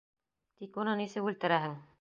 Тик уны нисек үлтерәһең?